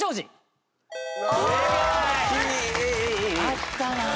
あったなあ。